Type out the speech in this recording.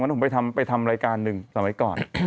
วันนั้นผมไปทำรายการหนึ่งสมัยก่อน